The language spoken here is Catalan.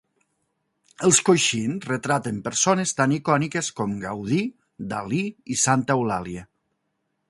Els coixins retraten persones tan icòniques com Gaudí, Dalí i Santa Eulàlia.